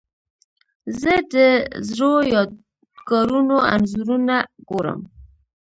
زه د زړو یادګارونو انځورونه ګورم.